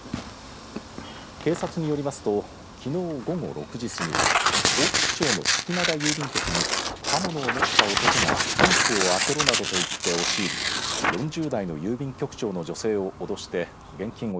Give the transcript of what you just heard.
警察によりますときのう、午後６時過ぎ大月町の月灘郵便局に刃物を持った男が金庫を開けろなどと言って押し入り４０代の郵便局長の女性を脅して現金